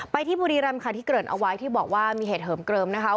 ที่บุรีรำค่ะที่เกริ่นเอาไว้ที่บอกว่ามีเหตุเหิมเกลิมนะคะ